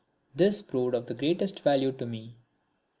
This proved of the greatest value to me.